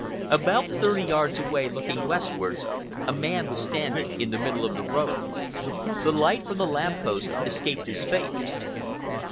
About thirty yards away, looking westwards, a man was standing in the middle of the road. The light from the lamp post escaped his face.